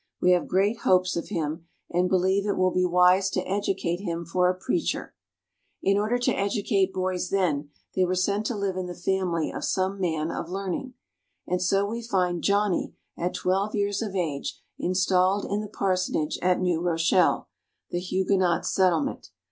We have great hopes of him, and believe it will be wise to educate him for a preacher." In order to educate boys then, they were sent to live in the family of some man of learning. And so we find "Johnny" at twelve years of age installed in the parsonage at New Rochelle, the Huguenot settlement.